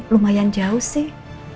lumayan jauh sih